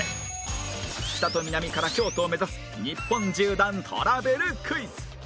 北と南から京都を目指す日本縦断トラベルクイズ